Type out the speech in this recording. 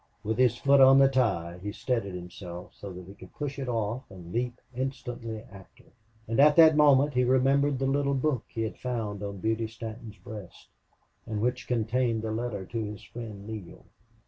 With his foot on the tie he steadied himself so that he could push it off and leap instantly after. And at that moment he remembered the little book he had found on Beauty Stanton's breast, and which contained the letter to his friend Neale.